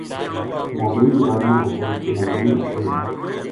موبین بانیا کو پُوت علم دین اُٹھیو